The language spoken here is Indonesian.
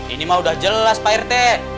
ini mah udah jelas pak rt